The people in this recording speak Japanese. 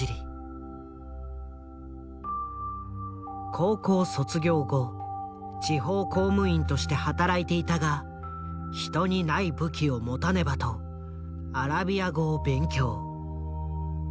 高校卒業後地方公務員として働いていたが人にない武器を持たねばとアラビア語を勉強。